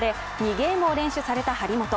ゲームを連取された張本。